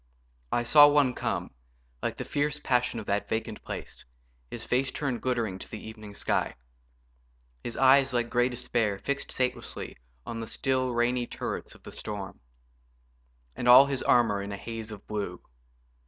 I saw one come, Like the fierce passion of that vacant place, His face turned glittering to the evening sky; His eyes, like grey despair, fixed satelessly On the still, rainy turrets of the storm; And all his armour in a haze of blue.